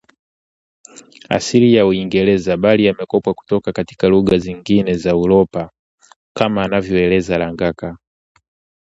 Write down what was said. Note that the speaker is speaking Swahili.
asili ya Uingereza bali yamekopwa kutoka lugha zingine za Uropa kama anavyoeleza Langacker